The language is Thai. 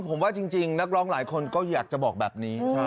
ผมว่าจริงนักร้องหลายคนก็อยากจะบอกแบบนี้